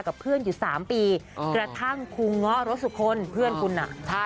กับเพื่อนอยู่๓ปีกระทั่งคูง้อรสุคนเพื่อนคุณน่ะ